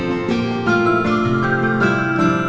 ya kita beres beres dulu